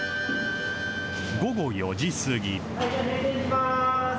午後４時過ぎ。